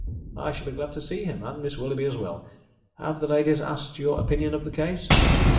"I shall be glad to see him, and Miss Willoughby as well. Have the ladies asked you your opinion of the case?"